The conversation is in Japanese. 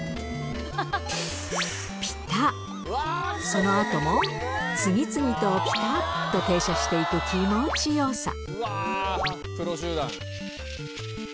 そのあとも、次々とぴたっと停車していく気持ちよさ。